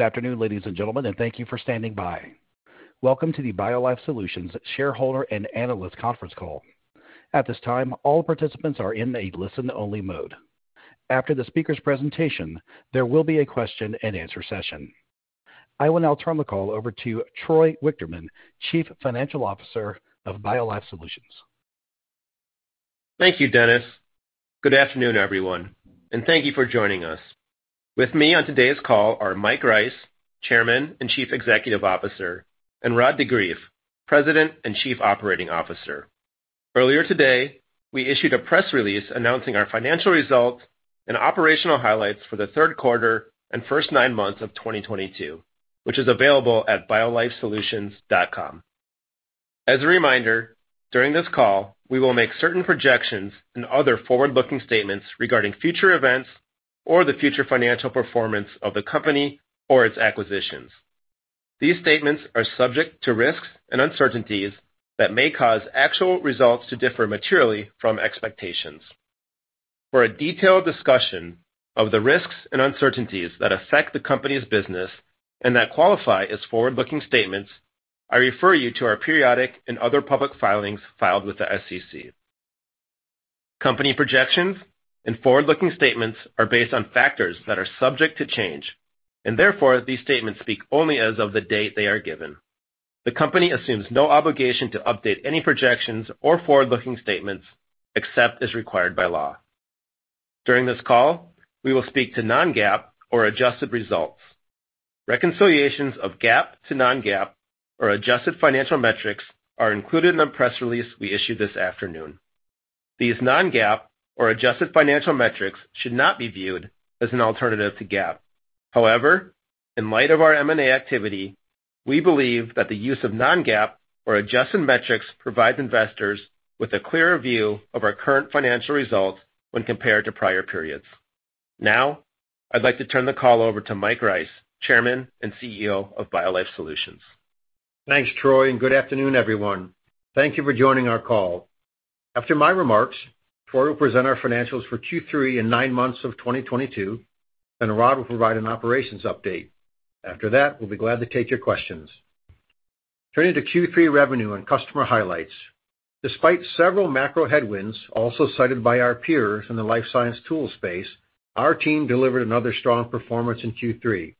Good afternoon, ladies and gentlemen, and thank you for standing by. Welcome to the BioLife Solutions Shareholder and Analyst Conference Call. At this time, all participants are in a listen-only mode. After the speaker's presentation, there will be a question-and-answer session. I will now turn the call over to Troy Wichterman, Chief Financial Officer of BioLife Solutions. Thank you, Dennis. Good afternoon, everyone, and thank you for joining us. With me on today's call are Mike Rice, Chairman and Chief Executive Officer, and Rod de Greef, President and Chief Operating Officer. Earlier today, we issued a press release announcing our financial results and operational highlights for the third quarter and first nine months of 2022, which is available at biolifesolutions.com. As a reminder, during this call, we will make certain projections and other forward-looking statements regarding future events or the future financial performance of the company or its acquisitions. These statements are subject to risks and uncertainties that may cause actual results to differ materially from expectations. For a detailed discussion of the risks and uncertainties that affect the company's business and that qualify as forward-looking statements, I refer you to our periodic and other public filings filed with the SEC. Company projections and forward-looking statements are based on factors that are subject to change, and therefore, these statements speak only as of the date they are given. The company assumes no obligation to update any projections or forward-looking statements except as required by law. During this call, we will speak to non-GAAP or adjusted results. Reconciliations of GAAP to non-GAAP or adjusted financial metrics are included in the press release we issued this afternoon. These non-GAAP or adjusted financial metrics should not be viewed as an alternative to GAAP. However, in light of our M&A activity, we believe that the use of non-GAAP or adjusted metrics provides investors with a clearer view of our current financial results when compared to prior periods. Now, I'd like to turn the call over to Mike Rice, Chairman and CEO of BioLife Solutions. Thanks, Troy, and good afternoon, everyone. Thank you for joining our call. After my remarks, Troy will present our financials for Q3 and nine months of 2022, then Rod will provide an operations update. After that, we'll be glad to take your questions. Turning to Q3 revenue and customer highlights. Despite several macro headwinds also cited by our peers in the life science tool space, our team delivered another strong performance in Q3.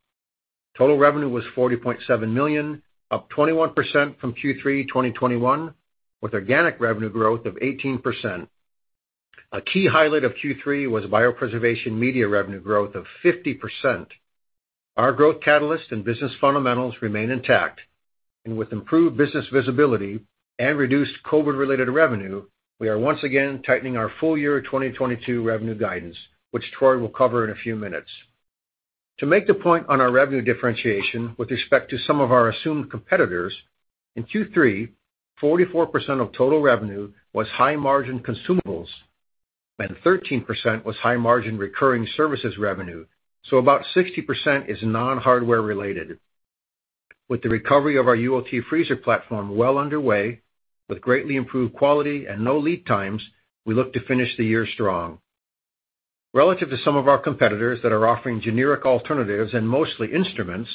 Total revenue was $40.7 million, up 21% from Q3 2021, with organic revenue growth of 18%. A key highlight of Q3 was biopreservation media revenue growth of 50%. Our growth catalyst and business fundamentals remain intact, and with improved business visibility and reduced COVID-related revenue, we are once again tightening our full year 2022 revenue guidance, which Troy will cover in a few minutes. To make the point on our revenue differentiation with respect to some of our assumed competitors, in Q3, 44% of total revenue was high margin consumables, and 13% was high margin recurring services revenue, so about 60% is non-hardware related. With the recovery of our ULT freezer platform well underway, with greatly improved quality and no lead times, we look to finish the year strong. Relative to some of our competitors that are offering generic alternatives and mostly instruments,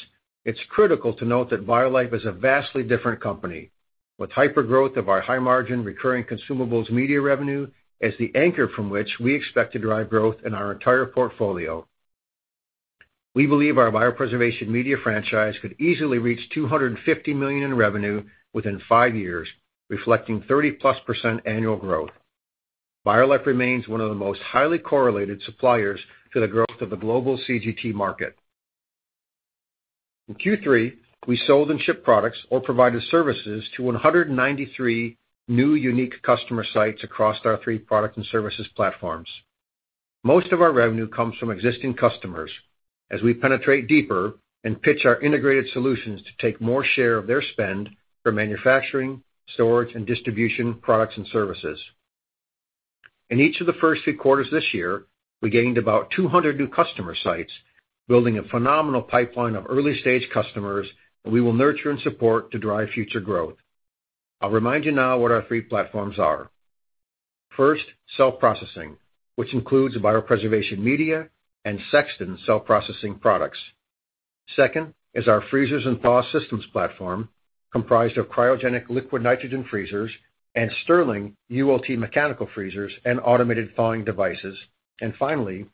it's critical to note that BioLife is a vastly different company, with hypergrowth of our high margin recurring consumables media revenue as the anchor from which we expect to drive growth in our entire portfolio. We believe our biopreservation media franchise could easily reach $250 million in revenue within five years, reflecting 30%+ annual growth. BioLife remains one of the most highly correlated suppliers to the growth of the global CGT market. In Q3, we sold and shipped products or provided services to 193 new unique customer sites across our three product and services platforms. Most of our revenue comes from existing customers as we penetrate deeper and pitch our integrated solutions to take more share of their spend for manufacturing, storage, and distribution products and services. In each of the first three quarters this year, we gained about 200 new customer sites, building a phenomenal pipeline of early-stage customers that we will nurture and support to drive future growth. I'll remind you now what our three platforms are. First, cell processing, which includes biopreservation media and Sexton cell processing products. Second is our freezers and thaw systems platform, comprised of cryogenic liquid nitrogen freezers and Stirling ULT mechanical freezers and automated thawing devices. Finally,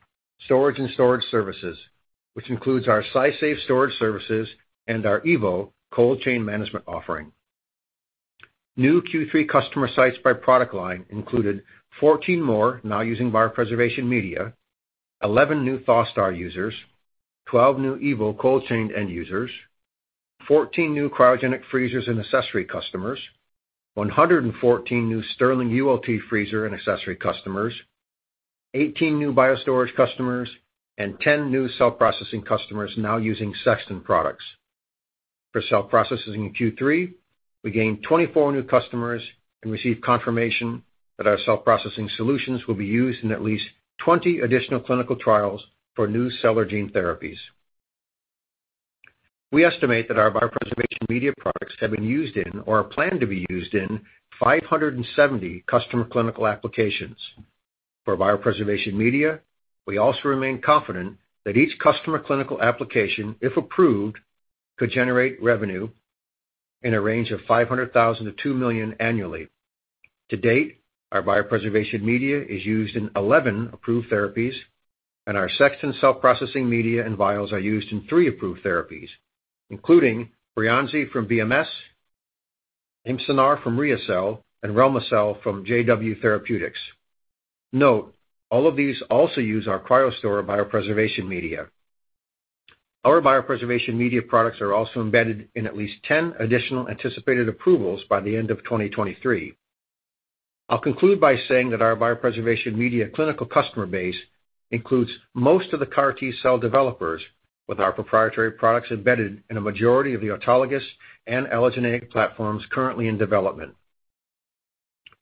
storage and storage services, which includes our SciSafe storage services and our evo cold chain management offering. New Q3 customer sites by product line included 14 more now using biopreservation media, 11 new ThawSTAR users, 12 new evo cold chain end users, 14 new cryogenic freezers and accessory customers, 114 new Stirling ULT freezer and accessory customers, 18 new BioStorage customers, and 10 new cell processing customers now using Sexton products. For cell processing in Q3, we gained 24 new customers and received confirmation that our cell processing solutions will be used in at least 20 additional clinical trials for new cell and gene therapies. We estimate that our biopreservation media products have been used in or are planned to be used in 570 customer clinical applications. For biopreservation media, we also remain confident that each customer clinical application, if approved, could generate revenue in a range of $500,000-$2 million annually. To date, our biopreservation media is used in 11 approved therapies, and our Sexton cell processing media and vials are used in three approved therapies, including Breyanzi from BMS, Amesanar from Rheacell, and Relma-cel from JW Therapeutics. Note, all of these also use our CryoStor biopreservation media. Our biopreservation media products are also embedded in at least 10 additional anticipated approvals by the end of 2023. I'll conclude by saying that our biopreservation media clinical customer base includes most of the CAR T-cell developers with our proprietary products embedded in a majority of the autologous and allogeneic platforms currently in development.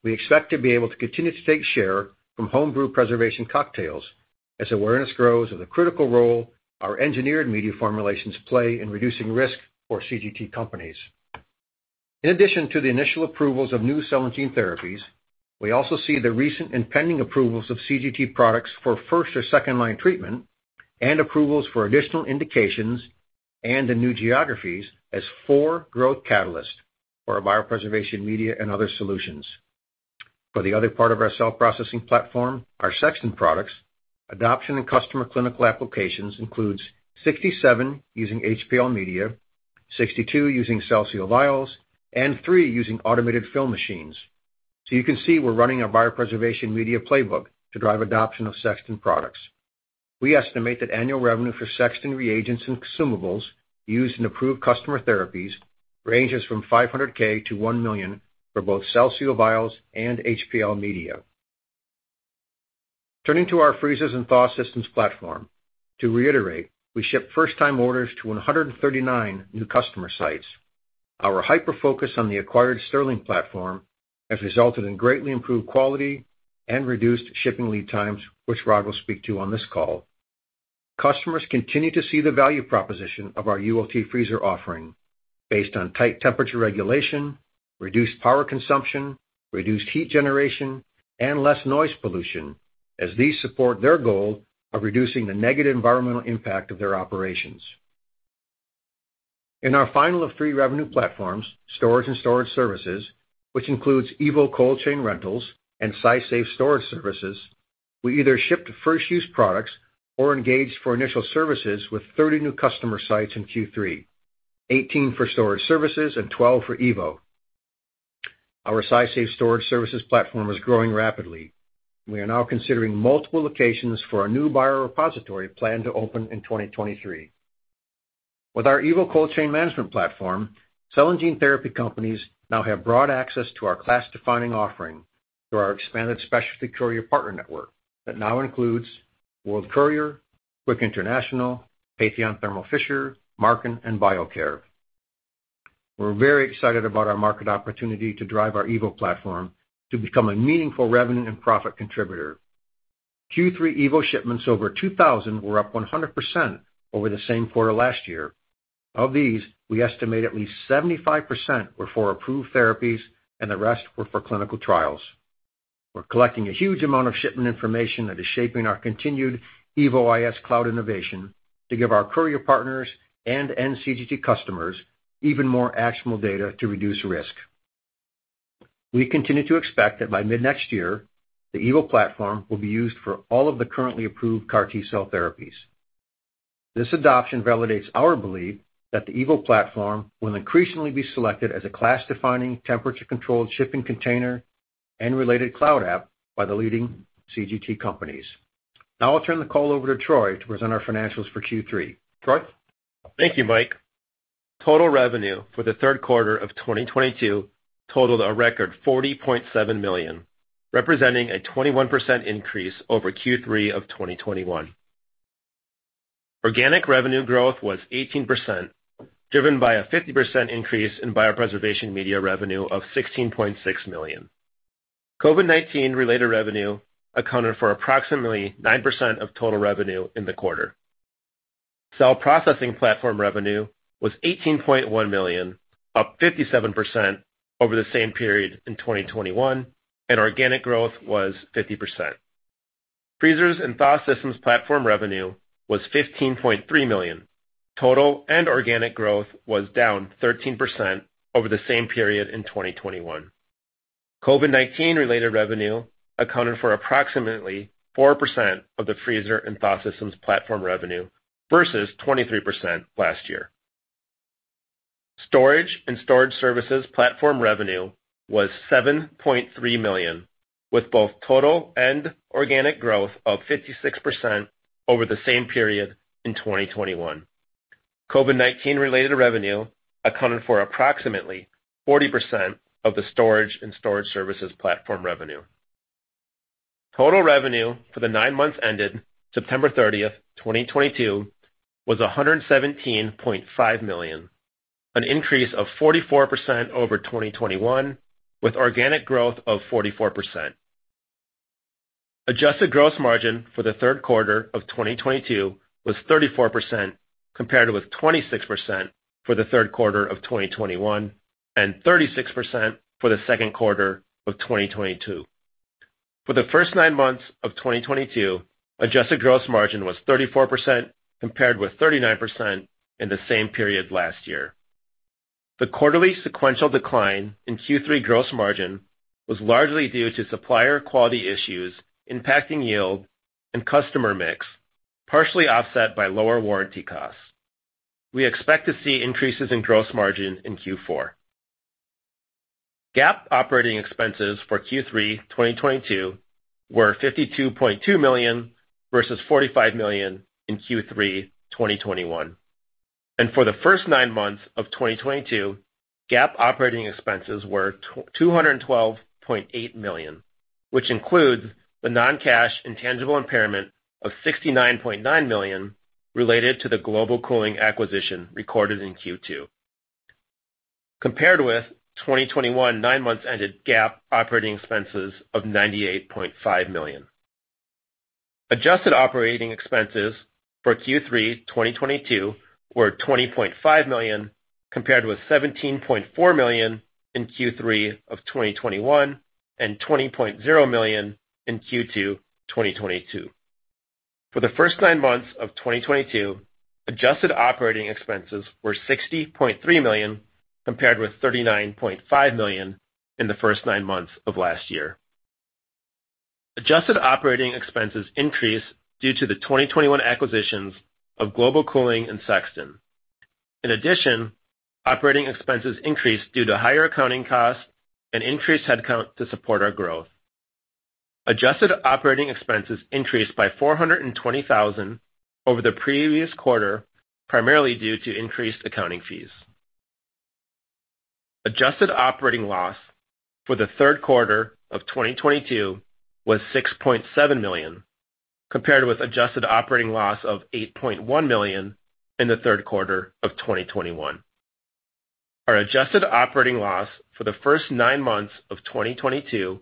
We expect to be able to continue to take share from home-brew preservation cocktails as awareness grows of the critical role our engineered media formulations play in reducing risk for CGT companies. In addition to the initial approvals of new cell and gene therapies, we also see the recent impending approvals of CGT products for first or second line treatment, and approvals for additional indications and in new geographies as four growth catalysts for our biopreservation media and other solutions. For the other part of our cell processing platform, our Sexton products, adoption in customer clinical applications includes 67 using HPL media, 62 using CellSeal vials, and three using automated fill machines. You can see we're running a biopreservation media playbook to drive adoption of Sexton products. We estimate that annual revenue for Sexton reagents and consumables used in approved customer therapies ranges from $500,000-$1 million for both CellSeal vials and HPL media. Turning to our freezers and thaw systems platform. To reiterate, we ship first-time orders to 139 new customer sites. Our hyper-focus on the acquired Stirling platform has resulted in greatly improved quality and reduced shipping lead times, which Rod will speak to on this call. Customers continue to see the value proposition of our ULT freezer offering based on tight temperature regulation, reduced power consumption, reduced heat generation, and less noise pollution, as these support their goal of reducing the negative environmental impact of their operations. In our final of three revenue platforms, storage and storage services, which includes evo cold chain rentals and SciSafe storage services, we either shipped first-use products or engaged for initial services with 30 new customer sites in Q3, 18 for storage services and 12 for evo. Our SciSafe storage services platform is growing rapidly. We are now considering multiple locations for a new biorepository planned to open in 2023. With our evo cold chain management platform, cell and gene therapy companies now have broad access to our class-defining offering through our expanded specialty courier partner network that now includes World Courier, Quick International, Patheon Thermo Fisher, Marken, and Biocair. We're very excited about our market opportunity to drive our evo platform to become a meaningful revenue and profit contributor. Q3 evo shipments over 2,000 were up 100% over the same quarter last year. Of these, we estimate at least 75% were for approved therapies and the rest were for clinical trials. We're collecting a huge amount of shipment information that is shaping our continued evo.is cloud innovation to give our courier partners and end CGT customers even more actionable data to reduce risk. We continue to expect that by mid-next year, the evo platform will be used for all of the currently approved CAR T-cell therapies. This adoption validates our belief that the evo platform will increasingly be selected as a class-defining temperature-controlled shipping container and related cloud app by the leading CGT companies. Now I'll turn the call over to Troy to present our financials for Q3. Troy? Thank you, Mike. Total revenue for the third quarter of 2022 totaled a record $40.7 million, representing a 21% increase over Q3 of 2021. Organic revenue growth was 18%, driven by a 50% increase in biopreservation media revenue of $16.6 million. COVID-19 related revenue accounted for approximately 9% of total revenue in the quarter. Cell processing platform revenue was $18.1 million, up 57% over the same period in 2021, and organic growth was 50%. Freezers and thaw systems platform revenue was $15.3 million. Total and organic growth was down 13% over the same period in 2021. COVID-19 related revenue accounted for approximately 4% of the freezer and thaw systems platform revenue, versus 23% last year. Storage and storage services platform revenue was $7.3 million, with both total and organic growth of 56% over the same period in 2021. COVID-19 related revenue accounted for approximately 40% of the storage and storage services platform revenue. Total revenue for the nine months ended September 30, 2022 was $117.5 million, an increase of 44% over 2021, with organic growth of 44%. Adjusted gross margin for the third quarter of 2022 was 34%, compared with 26% for the third quarter of 2021. Thirty-six percent for the second quarter of 2022. For the first nine months of 2022, adjusted gross margin was 34% compared with 39% in the same period last year. The quarterly sequential decline in Q3 gross margin was largely due to supplier quality issues impacting yield and customer mix, partially offset by lower warranty costs. We expect to see increases in gross margin in Q4. GAAP operating expenses for Q3 2022 were $52.2 million versus $45 million in Q3 2021. For the first nine months of 2022, GAAP operating expenses were $212.8 million, which includes the non-cash intangible impairment of $69.9 million related to the Global Cooling acquisition recorded in Q2. Compared with 2021 nine months ended GAAP operating expenses of $98.5 million. Adjusted operating expenses for Q3 2022 were $20.5 million compared with $17.4 million in Q3 of 2021, and $20.0 million in Q2 2022. For the first nine months of 2022, adjusted operating expenses were $60.3 million compared with $39.5 million in the first nine months of last year. Adjusted operating expenses increased due to the 2021 acquisitions of Global Cooling and Sexton. In addition, operating expenses increased due to higher accounting costs and increased headcount to support our growth. Adjusted operating expenses increased by $420,000 over the previous quarter, primarily due to increased accounting fees. Adjusted operating loss for the third quarter of 2022 was $6.7 million, compared with adjusted operating loss of $8.1 million in the third quarter of 2021. Our adjusted operating loss for the first nine months of 2022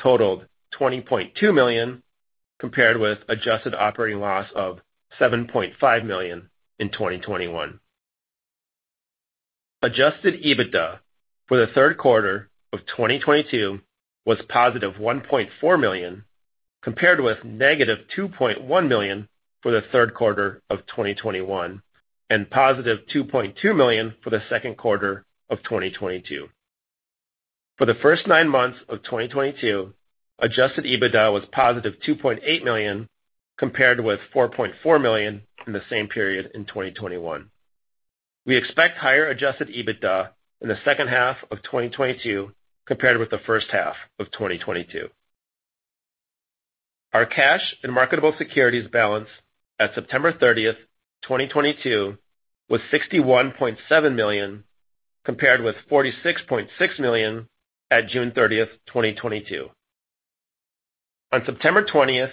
totaled $20.2 million, compared with adjusted operating loss of $7.5 million in 2021. Adjusted EBITDA for the third quarter of 2022 was $1.4 million, compared with -$2.1 million for the third quarter of 2021, and $2.2 million for the second quarter of 2022. For the first nine months of 2022, adjusted EBITDA was $2.8 million compared with $4.4 million in the same period in 2021. We expect higher adjusted EBITDA in the second half of 2022 compared with the first half of 2022. Our cash and marketable securities balance at September 30th, 2022 was $61.7 million, compared with $46.6 million at June 30th, 2022. On September 20th,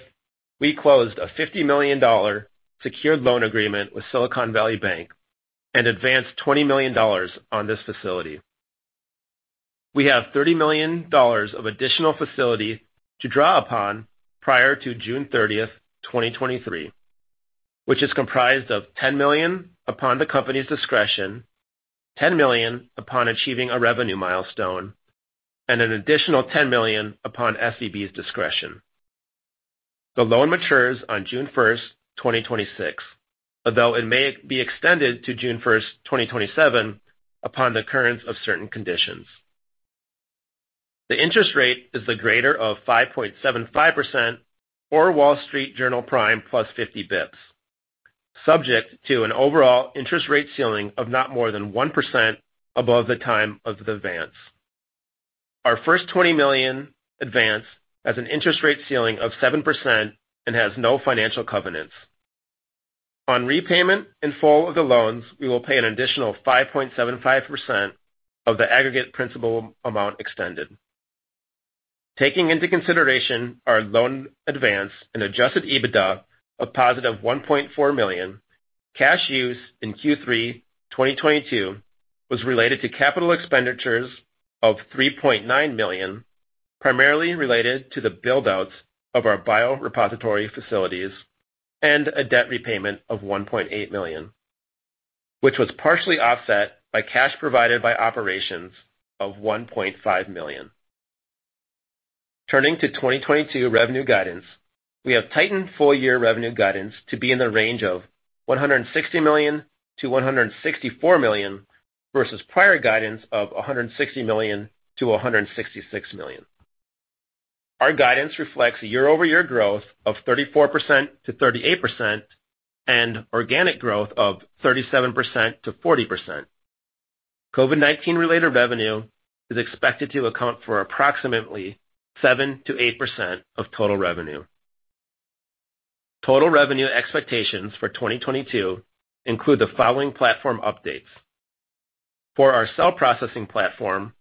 we closed a $50 million secured loan agreement with Silicon Valley Bank and advanced $20 million on this facility. We have $30 million of additional facility to draw upon prior to June 30, 2023, which is comprised of $10 million upon the company's discretion, $10 million upon achieving a revenue milestone, and an additional $10 million upon SVB's discretion. The loan matures on June 1, 2026, although it may be extended to June 1, 2027, upon the occurrence of certain conditions. The interest rate is the greater of 5.75% or Wall Street Journal Prime Rate plus fifty basis points, subject to an overall interest rate ceiling of not more than 1% above the time of the advance. Our first $20 million advance has an interest rate ceiling of 7% and has no financial covenants. On repayment in full of the loans, we will pay an additional 5.75% of the aggregate principal amount extended. Taking into consideration our loan advance and adjusted EBITDA of positive $1.4 million, cash use in Q3 2022 was related to capital expenditures of $3.9 million, primarily related to the build-outs of our biorepository facilities and a debt repayment of $1.8 million, which was partially offset by cash provided by operations of $1.5 million. Turning to 2022 revenue guidance. We have tightened full year revenue guidance to be in the range of $160 million-$164 million versus prior guidance of $160 million-$166 million. Our guidance reflects a year-over-year growth of 34%-38% and organic growth of 37%-40%. COVID-19 related revenue is expected to account for approximately 7%-8% of total revenue. Total revenue expectations for 2022 include the following platform updates. For our cell processing platform,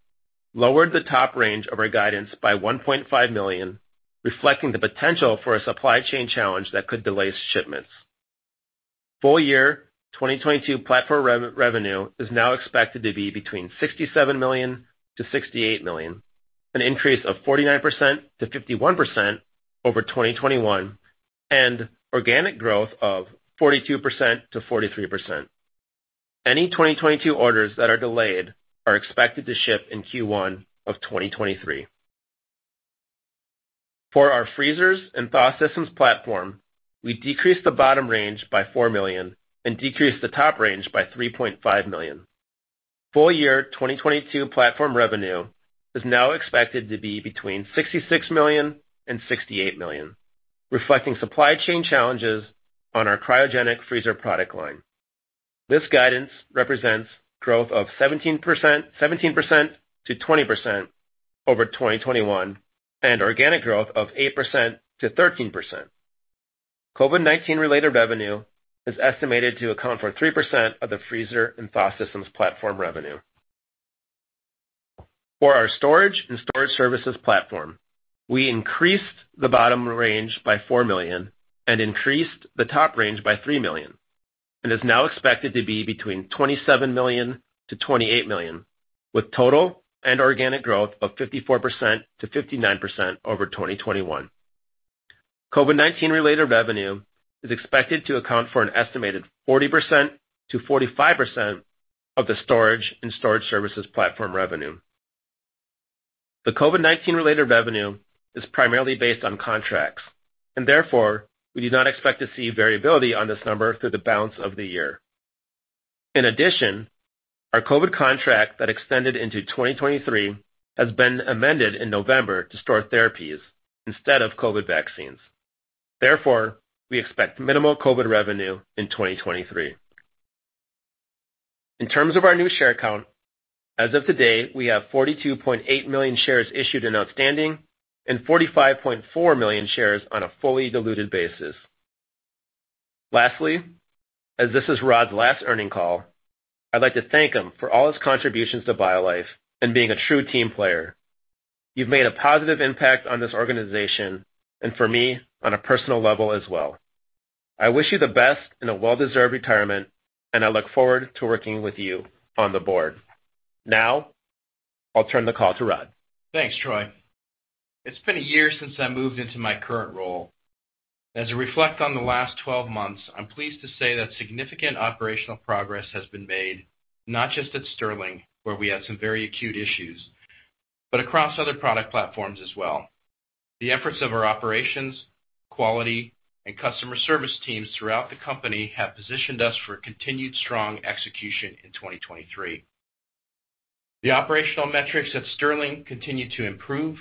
lowered the top range of our guidance by $1.5 million, reflecting the potential for a supply chain challenge that could delay shipments. Full year 2022 platform revenue is now expected to be between $67 million-$68 million, an increase of 49%-51% over 2021. Organic growth of 42%-43%. Any 2022 orders that are delayed are expected to ship in Q1 of 2023. For our freezers and thaw systems platform, we decreased the bottom range by $4 million and decreased the top range by $3.5 million. Full year 2022 platform revenue is now expected to be between $66 million-$68 million, reflecting supply chain challenges on our cryogenic freezer product line. This guidance represents growth of 17%, 17%-20% over 2021, and organic growth of 8%-13%. COVID-19 related revenue is estimated to account for 3% of the freezer and thaw systems platform revenue. For our storage and storage services platform, we increased the bottom range by $4 million and increased the top range by $3 million and is now expected to be between $27 million-$28 million, with total and organic growth of 54%-59% over 2021. COVID-19 related revenue is expected to account for an estimated 40%-45% of the storage and storage services platform revenue. The COVID-19 related revenue is primarily based on contracts and therefore we do not expect to see variability on this number through the balance of the year. In addition, our COVID contract that extended into 2023 has been amended in November to store therapies instead of COVID vaccines. Therefore, we expect minimal COVID revenue in 2023. In terms of our new share count, as of today, we have 42.8 million shares issued and outstanding, and 45.4 million shares on a fully diluted basis. Lastly, as this is Rod's last earnings call, I'd like to thank him for all his contributions to BioLife and being a true team player. You've made a positive impact on this organization and for me on a personal level as well. I wish you the best in a well-deserved retirement, and I look forward to working with you on the board. Now, I'll turn the call to Rod. Thanks, Troy. It's been a year since I moved into my current role. As I reflect on the last 12 months, I'm pleased to say that significant operational progress has been made, not just at Stirling, where we had some very acute issues, but across other product platforms as well. The efforts of our operations, quality, and customer service teams throughout the company have positioned us for continued strong execution in 2023. The operational metrics at Stirling continue to improve,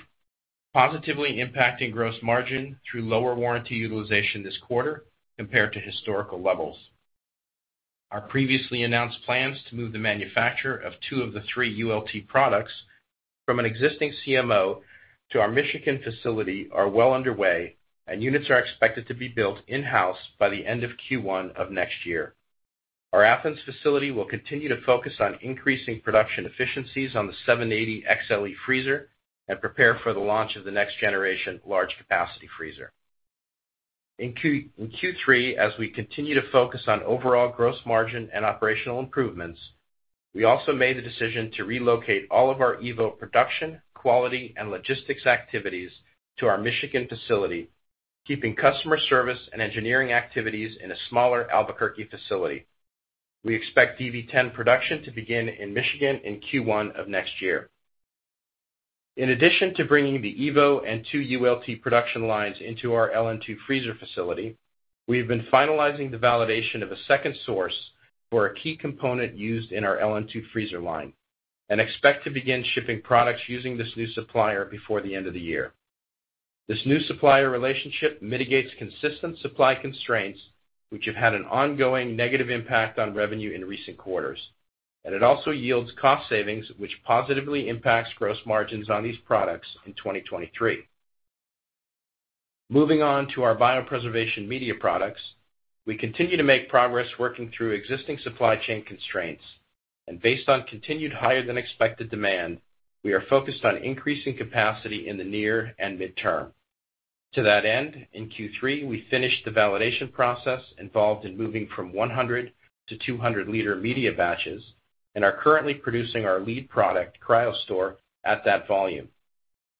positively impacting gross margin through lower warranty utilization this quarter compared to historical levels. Our previously announced plans to move the manufacturer of two of the three ULT products from an existing CMO to our Michigan facility are well underway, and units are expected to be built in-house by the end of Q1 of next year. Our Athens facility will continue to focus on increasing production efficiencies on the SU780XLE freezer and prepare for the launch of the next generation large capacity freezer. In Q3, as we continue to focus on overall gross margin and operational improvements, we also made the decision to relocate all of our evo production, quality, and logistics activities to our Michigan facility, keeping customer service and engineering activities in a smaller Albuquerque facility. We expect evo DV10 production to begin in Michigan in Q1 of next year. In addition to bringing the evo and 2 ULT production lines into our LN2 freezer facility, we have been finalizing the validation of a second source for a key component used in our LN2 freezer line, and expect to begin shipping products using this new supplier before the end of the year. This new supplier relationship mitigates consistent supply constraints, which have had an ongoing negative impact on revenue in recent quarters. It also yields cost savings, which positively impacts gross margins on these products in 2023. Moving on to our biopreservation media products. We continue to make progress working through existing supply chain constraints. Based on continued higher than expected demand, we are focused on increasing capacity in the near and midterm. To that end, in Q3, we finished the validation process involved in moving from 100 to 200 liter media batches and are currently producing our lead product, CryoStor, at that volume.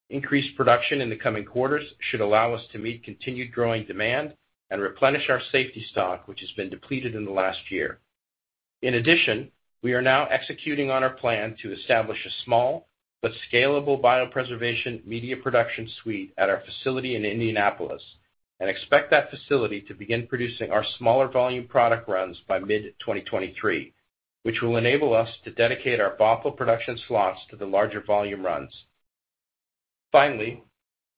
Increased production in the coming quarters should allow us to meet continued growing demand and replenish our safety stock, which has been depleted in the last year. In addition, we are now executing on our plan to establish a small but scalable biopreservation media production suite at our facility in Indianapolis and expect that facility to begin producing our smaller volume product runs by mid-2023, which will enable us to dedicate our Bothell production slots to the larger volume runs. Finally,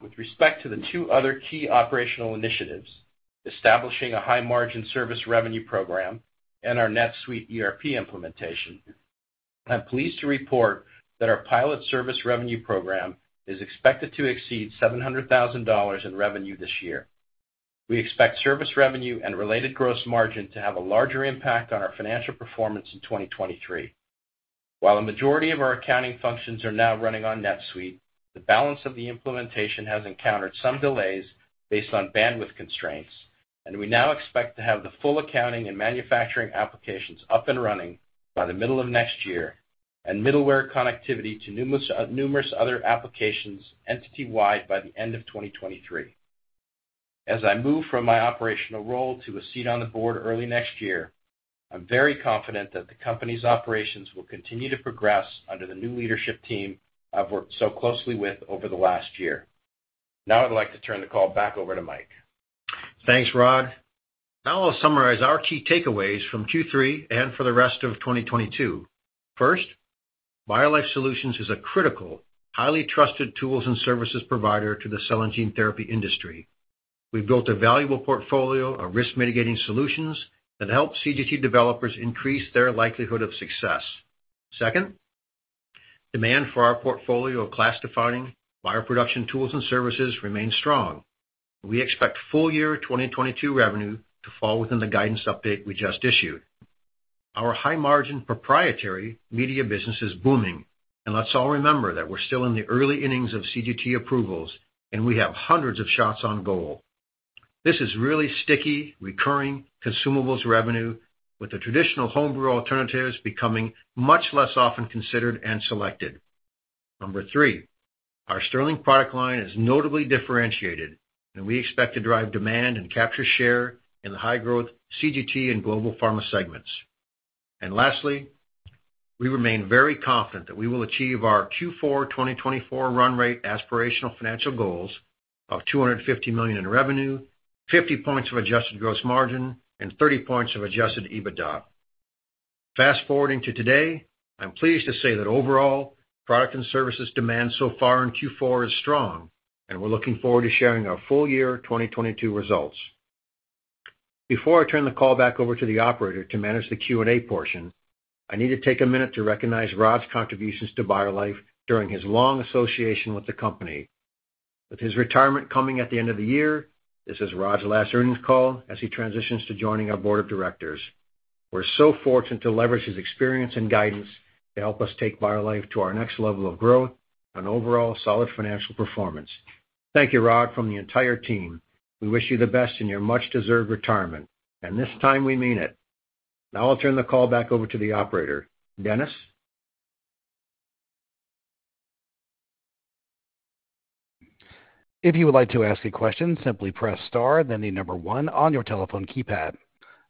with respect to the two other key operational initiatives, establishing a high margin service revenue program and our NetSuite ERP implementation, I'm pleased to report that our pilot service revenue program is expected to exceed $700,000 in revenue this year. We expect service revenue and related gross margin to have a larger impact on our financial performance in 2023. While a majority of our accounting functions are now running on NetSuite, the balance of the implementation has encountered some delays based on bandwidth constraints, and we now expect to have the full accounting and manufacturing applications up and running by the middle of next year. Middleware connectivity to numerous other applications entity-wide by the end of 2023. As I move from my operational role to a seat on the board early next year, I'm very confident that the company's operations will continue to progress under the new leadership team I've worked so closely with over the last year. Now I'd like to turn the call back over to Mike. Thanks, Rod. Now I'll summarize our key takeaways from Q3 and for the rest of 2022. First, BioLife Solutions is a critical, highly trusted tools and services provider to the cell and gene therapy industry. We've built a valuable portfolio of risk mitigating solutions that help CGT developers increase their likelihood of success. Second, demand for our portfolio of class-defining bioproduction tools and services remains strong. We expect full year 2022 revenue to fall within the guidance update we just issued. Our high-margin proprietary media business is booming, and let's all remember that we're still in the early innings of CGT approvals, and we have hundreds of shots on goal. This is really sticky, recurring consumables revenue with the traditional homebrew alternatives becoming much less often considered and selected. Number three, our Stirling product line is notably differentiated, and we expect to drive demand and capture share in the high-growth CGT and global pharma segments. Lastly, we remain very confident that we will achieve our Q4 2024 run rate aspirational financial goals of $250 million in revenue, 50% adjusted gross margin, and 30% adjusted EBITDA. Fast-forwarding to today, I'm pleased to say that overall, product and services demand so far in Q4 is strong, and we're looking forward to sharing our full year 2022 results. Before I turn the call back over to the operator to manage the Q&A portion, I need to take a minute to recognize Rod's contributions to BioLife during his long association with the company. With his retirement coming at the end of the year, this is Rod's last earnings call as he transitions to joining our board of directors. We're so fortunate to leverage his experience and guidance to help us take BioLife to our next level of growth and overall solid financial performance. Thank you, Rod, from the entire team. We wish you the best in your much-deserved retirement, and this time we mean it. Now I'll turn the call back over to the operator. Dennis? If you would like to ask a question, simply press star, then 1 on your telephone keypad.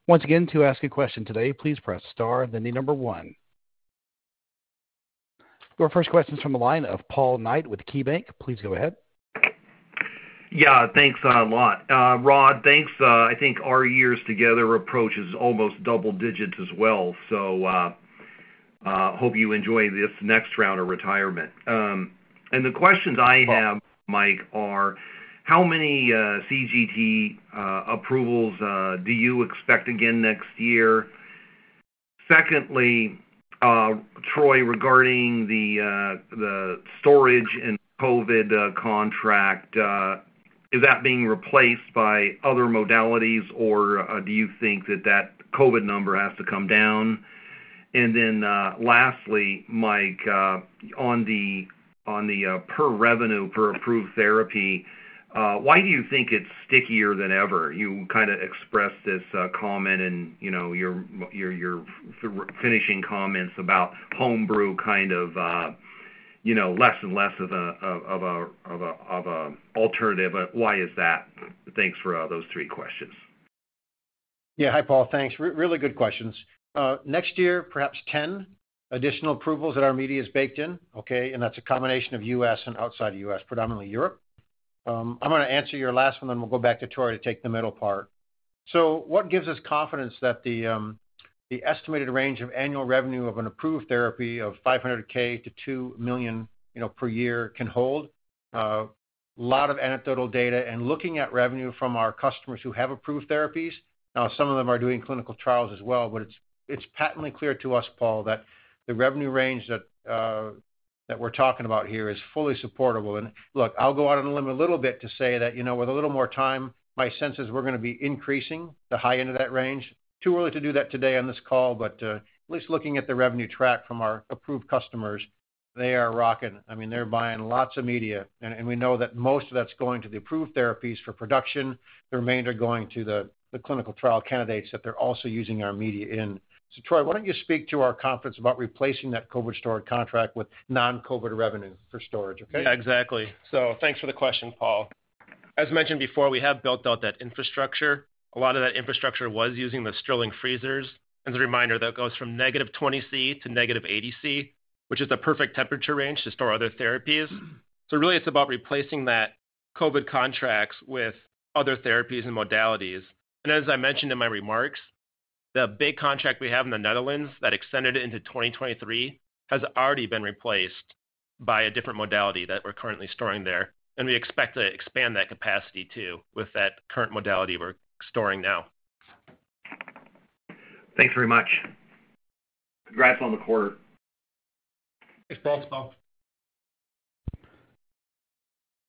Once again, to ask a question today, please press star, then number one. Your first question is from the line of Paul Knight with KeyBanc. Please go ahead. Yeah. Thanks a lot. Rod, thanks. I think our years together approaches almost double digits as well. Hope you enjoy this next round of retirement. The questions I have, Mike, are how many CGT approvals do you expect again next year? Secondly, Troy, regarding the storage and COVID contract, is that being replaced by other modalities or do you think that that COVID number has to come down? Lastly, Mike, on the per revenue per approved therapy, why do you think it's stickier than ever? You kind of expressed this comment in, you know, your finishing comments about home-brew kind of, you know, less and less of an alternative. Why is that? Thanks for those three questions. Yeah. Hi, Paul. Thanks. Really good questions. Next year, perhaps 10 additional approvals that our media is baked in, okay? That's a combination of U.S. and outside the U.S., predominantly Europe. I'm gonna answer your last one, then we'll go back to Troy to take the middle part. What gives us confidence that the estimated range of annual revenue of an approved therapy of $500,000-$2 million, you know, per year can hold? A lot of anecdotal data and looking at revenue from our customers who have approved therapies. Now, some of them are doing clinical trials as well, but it's patently clear to us, Paul, that the revenue range that we're talking about here is fully supportable. Look, I'll go out on a limb a little bit to say that, you know, with a little more time, my sense is we're gonna be increasing the high end of that range. Too early to do that today on this call, but at least looking at the revenue track from our approved customers, they are rocking. I mean, they're buying lots of media. We know that most of that's going to the approved therapies for production. The remainder are going to the clinical trial candidates that they're also using our media in. Troy, why don't you speak to our confidence about replacing that COVID storage contract with non-COVID revenue for storage, okay? Yeah, exactly. Thanks for the question, Paul. As mentioned before, we have built out that infrastructure. A lot of that infrastructure was using the Stirling freezers. As a reminder, that goes from -20 degrees Celsius to -80 degrees Celsius, which is the perfect temperature range to store other therapies. Really it's about replacing that COVID contracts with other therapies and modalities. As I mentioned in my remarks, the big contract we have in the Netherlands that extended into 2023 has already been replaced by a different modality that we're currently storing there. We expect to expand that capacity too with that current modality we're storing now. Thanks very much. Congrats on the quarter. Thanks, Paul.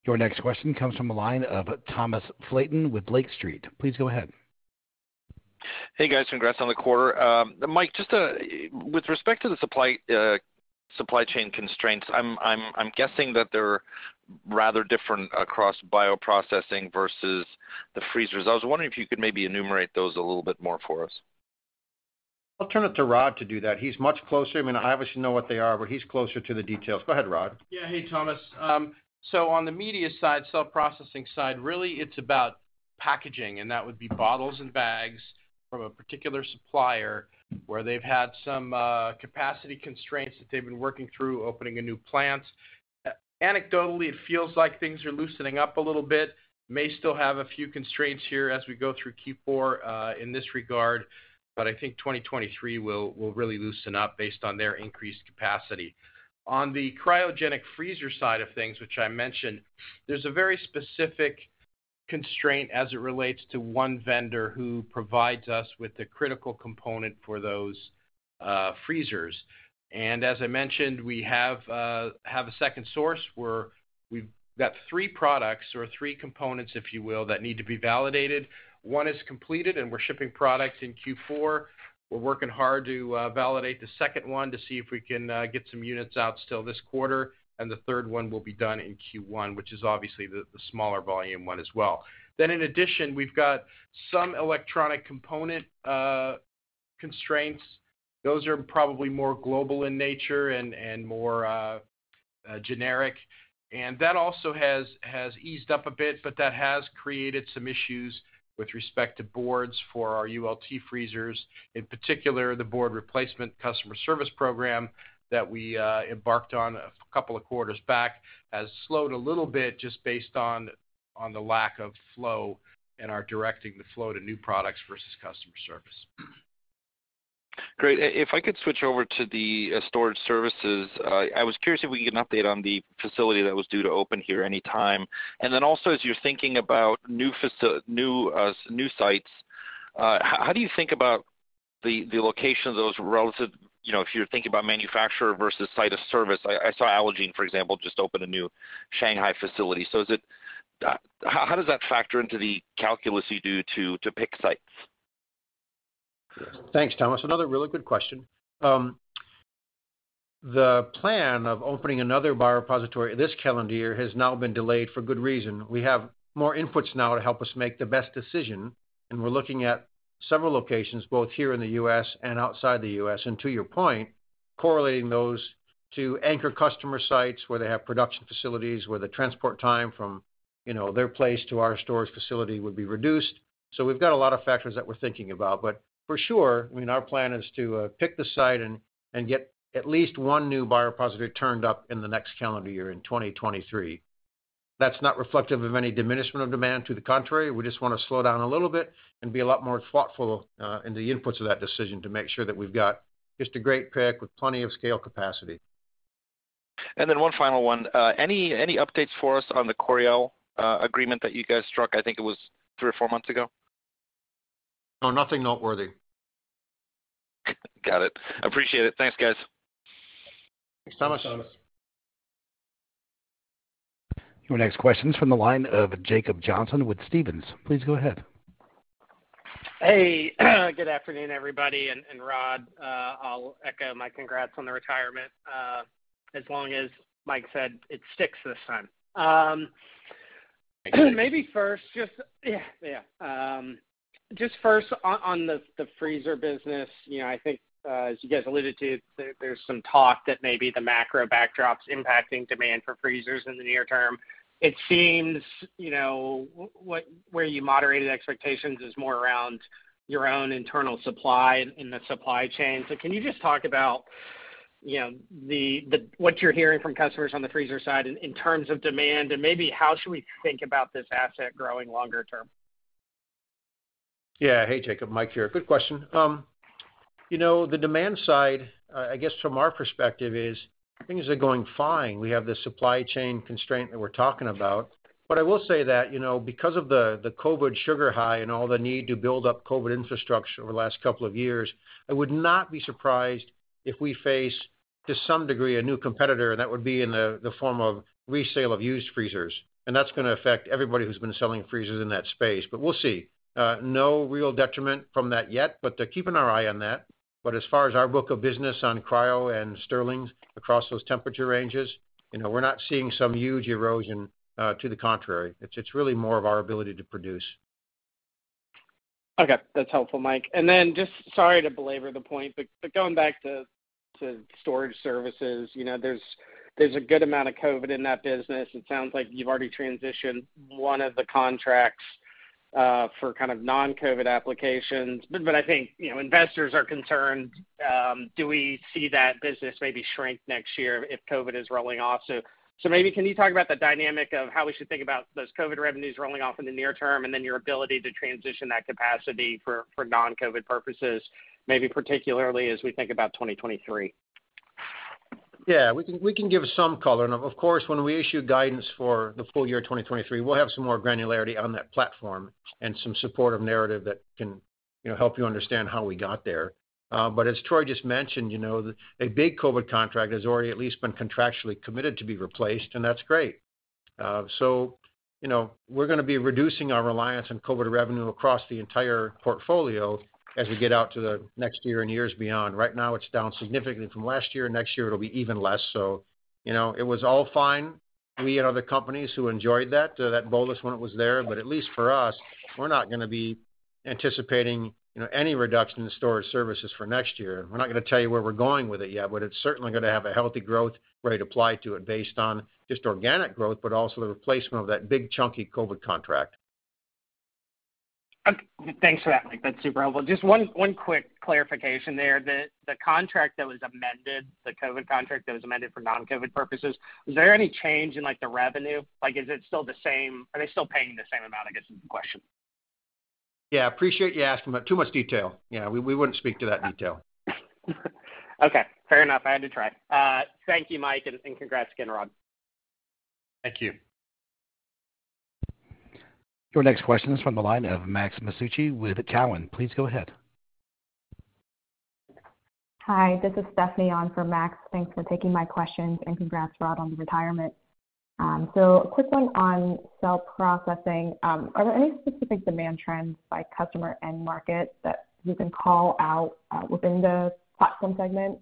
Your next question comes from the line of Thomas Flaten with Lake Street. Please go ahead. Hey, guys. Congrats on the quarter. Mike, just, with respect to the supply chain constraints, I'm guessing that they're rather different across bioprocessing versus the freezers. I was wondering if you could maybe enumerate those a little bit more for us. I'll turn it to Rod to do that. He's much closer. I mean, I obviously know what they are, but he's closer to the details. Go ahead, Rod. Hey, Thomas. So on the media side, self-processing side, really it's about packaging, and that would be bottles and bags from a particular supplier where they've had some capacity constraints that they've been working through opening a new plant. Anecdotally, it feels like things are loosening up a little bit. We may still have a few constraints here as we go through Q4 in this regard, but I think 2023 will really loosen up based on their increased capacity. On the cryogenic freezer side of things, which I mentioned, there's a very specific constraint as it relates to one vendor who provides us with the critical component for those freezers. As I mentioned, we have a second source where we've got three products or three components, if you will, that need to be validated. One is completed, and we're shipping products in Q4. We're working hard to validate the second one to see if we can get some units out still this quarter, and the third one will be done in Q1, which is obviously the smaller volume one as well. In addition, we've got some electronic component constraints. Those are probably more global in nature and more generic. That also has eased up a bit, but that has created some issues with respect to boards for our ULT freezers. In particular, the board replacement customer service program that we embarked on a couple of quarters back has slowed a little bit just based on the lack of flow and we're directing the flow to new products versus customer service. Great. If I could switch over to the storage services, I was curious if we can get an update on the facility that was due to open here any time. Then also, as you're thinking about new sites, how do you think about the location of those relative, you know, if you're thinking about manufacturer versus site of service. I saw Allogene, for example, just open a new Shanghai facility. How does that factor into the calculus you do to pick sites? Thanks, Thomas. Another really good question. The plan of opening another biorepository this calendar year has now been delayed for good reason. We have more inputs now to help us make the best decision, and we're looking at several locations, both here in the U.S. and outside the U.S. To your point, correlating those to anchor customer sites where they have production facilities, where the transport time from, you know, their place to our storage facility would be reduced. We've got a lot of factors that we're thinking about. For sure, I mean, our plan is to pick the site and get at least one new biorepository turned up in the next calendar year in 2023. That's not reflective of any diminishment of demand. To the contrary, we just wanna slow down a little bit and be a lot more thoughtful in the inputs of that decision to make sure that we've got just a great pick with plenty of scale capacity. One final one. Any updates for us on the Coriell agreement that you guys struck? I think it was three or four months ago? No, nothing noteworthy. Got it. I appreciate it. Thanks, guys. Thanks, Thomas. Thanks, Thomas. Your next question is from the line of Jacob Johnson with Stephens. Please go ahead. Hey. Good afternoon, everybody. Rod, I'll echo my congrats on the retirement, as long as Mike said it sticks this time. Maybe first on the freezer business, you know, I think, as you guys alluded to, there's some talk that maybe the macro backdrop's impacting demand for freezers in the near term. It seems, you know, where you moderated expectations is more around your own internal supply and the supply chain. Can you just talk about, you know, what you're hearing from customers on the freezer side in terms of demand and maybe how should we think about this asset growing longer term? Yeah. Hey, Jacob. Mike here. Good question. You know, the demand side, I guess from our perspective is things are going fine. We have the supply chain constraint that we're talking about. I will say that, you know, because of the COVID sugar high and all the need to build up COVID infrastructure over the last couple of years, I would not be surprised if we face, to some degree, a new competitor, and that would be in the form of resale of used freezers, and that's gonna affect everybody who's been selling freezers in that space. We'll see. No real detriment from that yet, but keeping our eye on that. As far as our book of business on cryo and Stirlings across those temperature ranges, you know, we're not seeing some huge erosion. To the contrary, it's really more of our ability to produce. Okay. That's helpful, Mike. Then just sorry to belabor the point, but going back to storage services, you know, there's a good amount of COVID in that business. It sounds like you've already transitioned one of the contracts for kind of non-COVID applications. I think, you know, investors are concerned, do we see that business maybe shrink next year if COVID is rolling off? Maybe can you talk about the dynamic of how we should think about those COVID revenues rolling off in the near term, and then your ability to transition that capacity for non-COVID purposes, maybe particularly as we think about 2023. Yeah. We can give some color. Of course, when we issue guidance for the full year 2023, we'll have some more granularity on that platform and some supportive narrative that can, you know, help you understand how we got there. As Troy just mentioned, you know, a big COVID contract has already at least been contractually committed to be replaced, and that's great. You know, we're gonna be reducing our reliance on COVID revenue across the entire portfolio as we get out to the next year and years beyond. Right now, it's down significantly from last year. Next year, it'll be even less. You know, it was all fine. We and other companies who enjoyed that bolus when it was there, but at least for us, we're not gonna be anticipating, you know, any reduction in storage services for next year. We're not gonna tell you where we're going with it yet, but it's certainly gonna have a healthy growth rate applied to it based on just organic growth, but also the replacement of that big chunky COVID contract. Okay. Thanks for that, Mike. That's super helpful. Just one quick clarification there. The contract that was amended, the COVID contract that was amended for non-COVID purposes, was there any change in, like, the revenue? Like, is it still the same? Are they still paying the same amount, I guess, is the question. Yeah. Appreciate you asking, but too much detail. Yeah, we wouldn't speak to that detail. Okay, fair enough. I had to try. Thank you, Mike, and congrats again, Rod. Thank you. Your next question is from the line of Max Masucci with Cowen. Please go ahead. Hi, this is Stephanie on for Max. Thanks for taking my questions, and congrats, Rod, on the retirement. A quick one on cell processing. Are there any specific demand trends by customer end market that you can call out within the platform segment?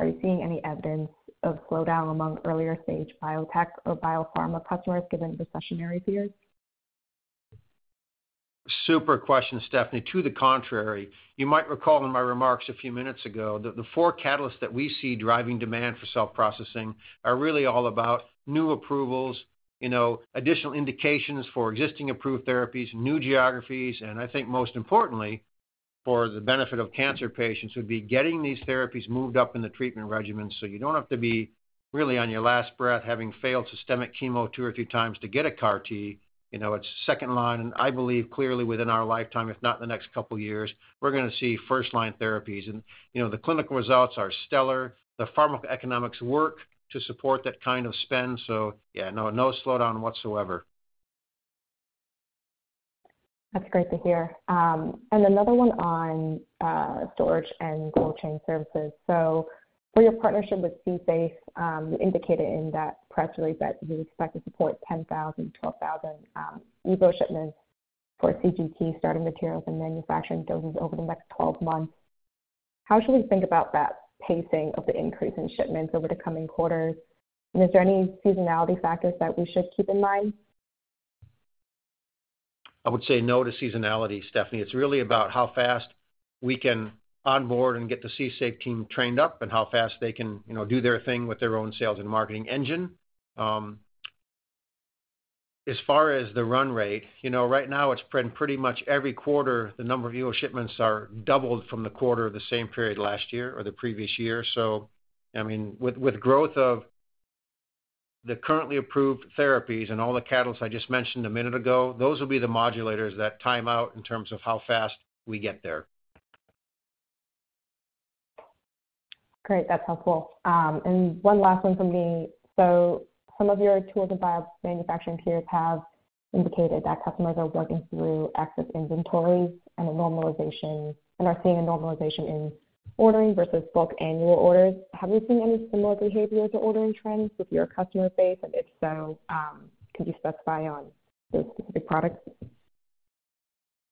Are you seeing any evidence of slowdown among earlier stage biotech or biopharma customers given the recessionary period? Super question, Stephanie. To the contrary, you might recall in my remarks a few minutes ago that the four catalysts that we see driving demand for cell processing are really all about new approvals, you know, additional indications for existing approved therapies, new geographies, and I think most importantly, for the benefit of cancer patients, would be getting these therapies moved up in the treatment regimen so you don't have to be really on your last breath, having failed systemic chemo two or three times to get a CAR T. You know, it's second line, and I believe clearly within our lifetime, if not in the next couple years, we're gonna see first line therapies. You know, the clinical results are stellar. The pharmacoeconomics work to support that kind of spend. Yeah, no slowdown whatsoever. That's great to hear. For your partnership with CSafe, you indicated in that press release that you expect to support 10,000-12,000 EVO shipments for CGT starting materials and manufacturing doses over the next 12 months. How should we think about that pacing of the increase in shipments over the coming quarters? Is there any seasonality factors that we should keep in mind? I would say no to seasonality, Stephanie. It's really about how fast we can onboard and get the CSafe team trained up and how fast they can, you know, do their thing with their own sales and marketing engine. As far as the run rate, you know, right now it's been pretty much every quarter, the number of EVO shipments are doubled from the quarter of the same period last year or the previous year. I mean, with growth of the currently approved therapies and all the catalysts I just mentioned a minute ago, those will be the modulators that time out in terms of how fast we get there. Great. That's helpful. One last one from me. Some of your tool-enabled manufacturing peers have indicated that customers are working through excess inventories and are seeing a normalization in ordering versus book annual orders. Have you seen any similar behavior to ordering trends with your customer base? If so, could you specify on those specific products?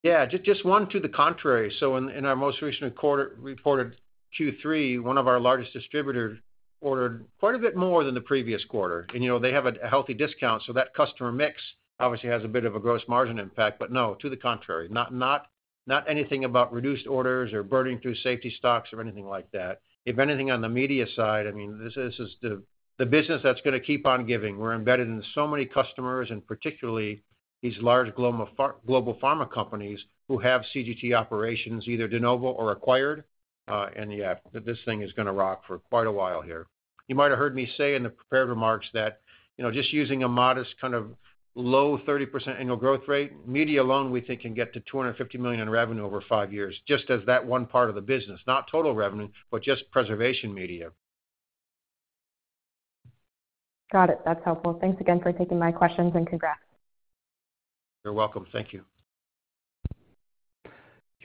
Yeah, just one to the contrary. In our most recent quarter, reported Q3, one of our largest distributors ordered quite a bit more than the previous quarter. You know, they have a healthy discount, so that customer mix obviously has a bit of a gross margin impact. No, to the contrary, not anything about reduced orders or burning through safety stocks or anything like that. If anything, on the media side, I mean, this is the business that's gonna keep on giving. We're embedded in so many customers, and particularly these large global pharma companies who have CGT operations, either de novo or acquired, and yeah, this thing is gonna rock for quite a while here. You might have heard me say in the prepared remarks that, you know, just using a modest kind of low 30% annual growth rate, media alone, we think can get to $250 million in revenue over 5 years, just as that one part of the business. Not total revenue, but just preservation media. Got it. That's helpful. Thanks again for taking my questions, and congrats. You're welcome. Thank you.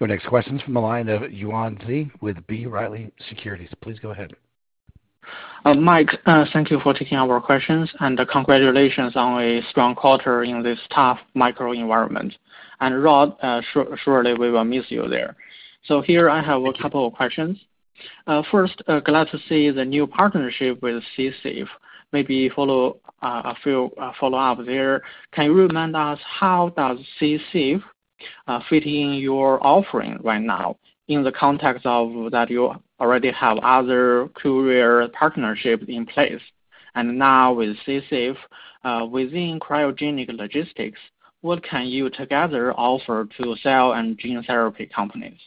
Your next question is from the line of Yuan Zhi with B. Riley Securities. Please go ahead. Mike, thank you for taking our questions, and congratulations on a strong quarter in this tough macro environment. Rod, surely we will miss you there. Here I have a couple of questions. First, glad to see the new partnership with CSafe. Maybe a few follow-up there. Can you remind us how does CSafe fit in your offering right now in the context of that you already have other courier partnership in place? Now with CSafe within cryogenic logistics, what can you together offer to cell and gene therapy companies?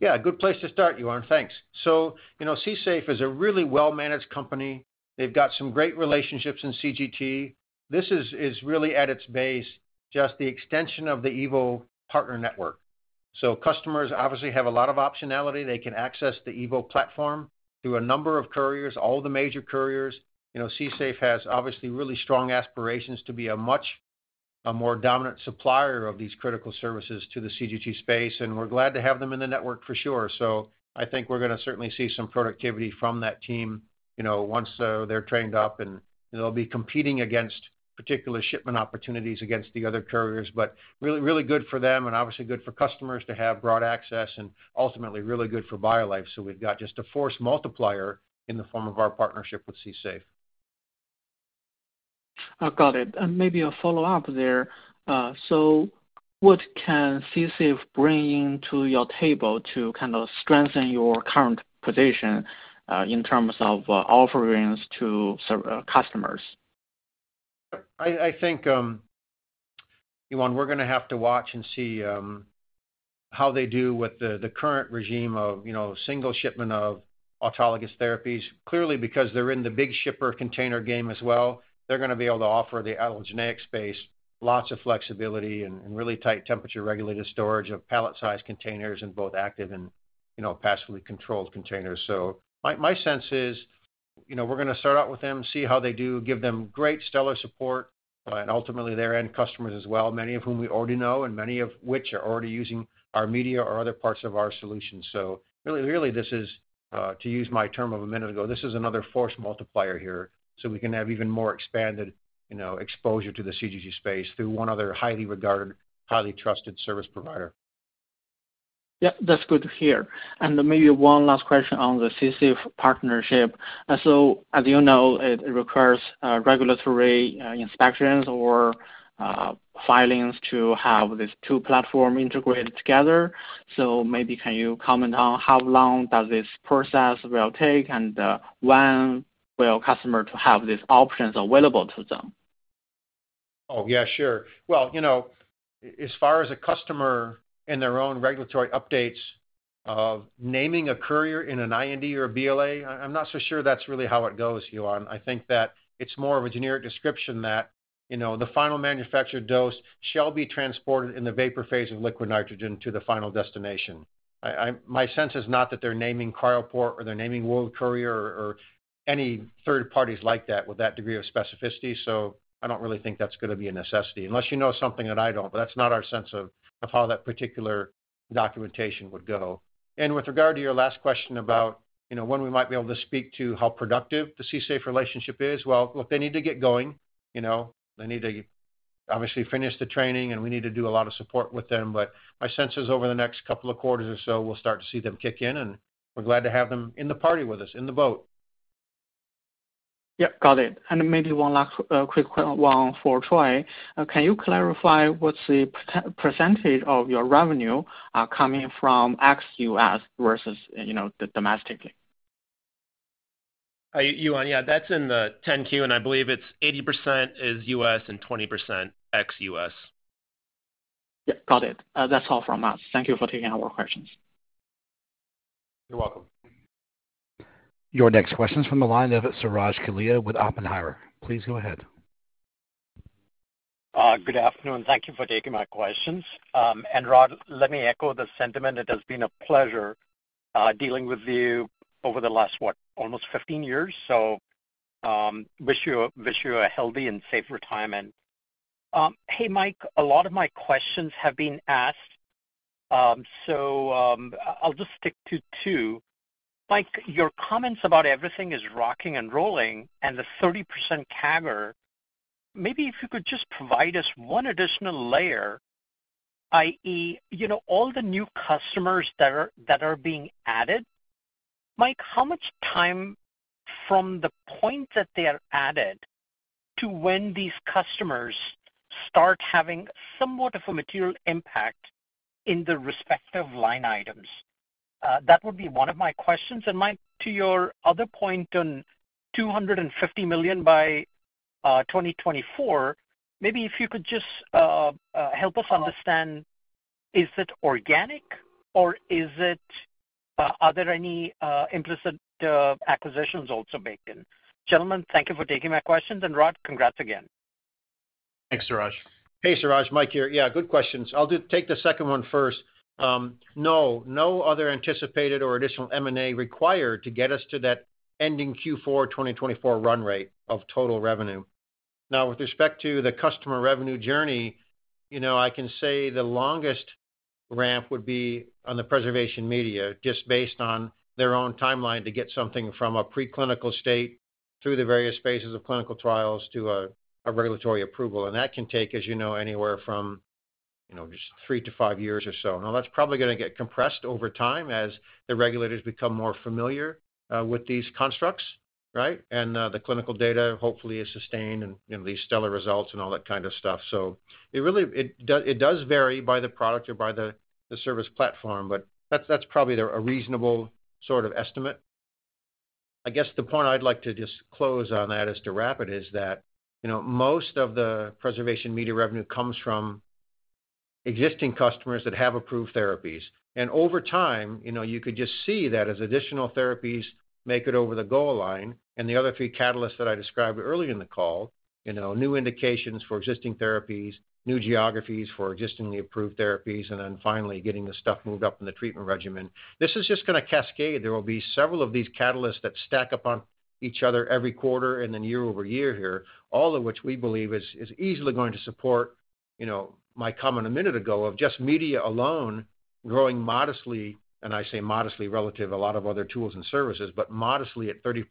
Yeah, good place to start, Yuan. Thanks. You know, CSafe is a really well-managed company. They've got some great relationships in CGT. This is really at its base, just the extension of the EVO partner network. Customers obviously have a lot of optionality. They can access the EVO platform through a number of couriers, all the major couriers. You know, CSafe has obviously really strong aspirations to be a more dominant supplier of these critical services to the CGT space, and we're glad to have them in the network for sure. I think we're gonna certainly see some productivity from that team, you know, once they're trained up, and they'll be competing against particular shipment opportunities against the other couriers. Really good for them and obviously good for customers to have broad access and ultimately really good for BioLife. We've got just a force multiplier in the form of our partnership with CSafe. Got it. Maybe a follow-up there. What can CSafe bring to your table to kind of strengthen your current position in terms of offerings to customers? I think, Yuan, we're gonna have to watch and see how they do with the current regime of, you know, single shipment of autologous therapies. Clearly, because they're in the big shipper container game as well, they're gonna be able to offer the allogeneic space, lots of flexibility and really tight temperature regulated storage of pallet-sized containers in both active and, you know, passively controlled containers. My sense is, you know, we're gonna start out with them, see how they do, give them great stellar support, and ultimately their end customers as well, many of whom we already know and many of which are already using our media or other parts of our solutions. Really this is, to use my term of a minute ago, this is another force multiplier here, so we can have even more expanded, you know, exposure to the CGT space through one other highly regarded, highly trusted service provider. Yeah, that's good to hear. Maybe one last question on the CSafe partnership. As you know, it requires regulatory inspections or filings to have these two platforms integrated together. Maybe you can comment on how long does this process will take and when will customers have these options available to them? Oh, yeah, sure. Well, you know, as far as a customer in their own regulatory updates, naming a courier in an IND or a BLA, I'm not so sure that's really how it goes, Yuan. I think that it's more of a generic description that, you know, the final manufactured dose shall be transported in the vapor phase of liquid nitrogen to the final destination. My sense is not that they're naming Cryoport or they're naming World Courier or any third parties like that with that degree of specificity, so I don't really think that's gonna be a necessity. Unless you know something that I don't, but that's not our sense of how that particular documentation would go. With regard to your last question about, you know, when we might be able to speak to how productive the CSafe relationship is, well, look, they need to get going. You know, they need to obviously finish the training, and we need to do a lot of support with them. But my sense is over the next couple of quarters or so, we'll start to see them kick in, and we're glad to have them in the party with us, in the boat. Yeah, got it. Maybe one last quick one for Troy. Can you clarify what's the percentage of your revenue coming from ex-U.S. versus, you know, the domestic? Yuan, yeah, that's in the 10-Q, and I believe it's 80% is U.S. and 20% ex-U.S. Yeah, got it. That's all from us. Thank you for taking our questions. You're welcome. Your next question's from the line of Suraj Kalia with Oppenheimer. Please go ahead. Good afternoon. Thank you for taking my questions. Rod, let me echo the sentiment. It has been a pleasure dealing with you over the last, what? Almost 15 years. Wish you a healthy and safe retirement. Hey, Mike, a lot of my questions have been asked, so I'll just stick to two. Mike, your comments about everything is rocking and rolling and the 30% CAGR, maybe if you could just provide us one additional layer, i.e., you know, all the new customers that are being added. Mike, how much time from the point that they are added to when these customers start having somewhat of a material impact in the respective line items? That would be one of my questions. Mike, to your other point on $250 million by 2024, maybe if you could just help us understand, is it organic or are there any implicit acquisitions also baked in? Gentlemen, thank you for taking my questions. Rod, congrats again. Thanks, Suraj. Hey, Suraj. Mike here. Yeah, good questions. I'll take the second one first. No other anticipated or additional M&A required to get us to that ending Q4 2024 run rate of total revenue. Now, with respect to the customer revenue journey, you know, I can say the longest ramp would be on the preservation media, just based on their own timeline to get something from a preclinical state through the various phases of clinical trials to a regulatory approval. That can take, as you know, anywhere from, you know, just 3-5 years or so. Now, that's probably gonna get compressed over time as the regulators become more familiar with these constructs, right? The clinical data hopefully is sustained and, you know, these stellar results and all that kind of stuff. It really, it does vary by the product or by the service platform, but that's probably a reasonable sort of estimate. I guess the point I'd like to just close on that is to wrap it is that, you know, most of the preservation media revenue comes from existing customers that have approved therapies. Over time, you know, you could just see that as additional therapies make it over the goal line and the other three catalysts that I described earlier in the call, you know, new indications for existing therapies, new geographies for existingly approved therapies, and then finally getting the stuff moved up in the treatment regimen. This is just gonna cascade. There will be several of these catalysts that stack up on each other every quarter and then year-over-year here, all of which we believe is easily going to support, you know, my comment a minute ago of just media alone growing modestly, and I say modestly relative to a lot of other tools and services, but modestly at 30%+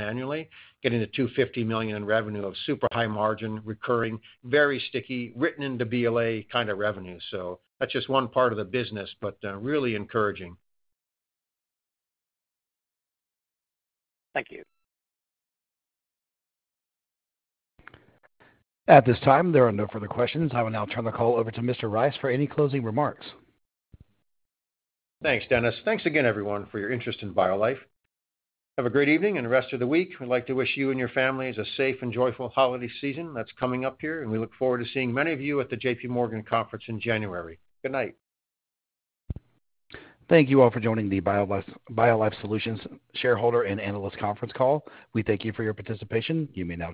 annually, getting to $250 million in revenue of super high margin, recurring, very sticky, written in the BLA kind of revenue. That's just one part of the business, but really encouraging. Thank you. At this time, there are no further questions. I will now turn the call over to Mr. Rice for any closing remarks. Thanks, Dennis. Thanks again, everyone, for your interest in BioLife. Have a great evening and rest of the week. We'd like to wish you and your families a safe and joyful holiday season that's coming up here, and we look forward to seeing many of you at the JPMorgan conference in January. Good night. Thank you all for joining the BioLife Solutions shareholder and analyst conference call. We thank you for your participation. You may now disconnect.